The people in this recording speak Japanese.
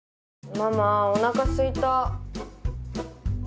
ママおなかすいた。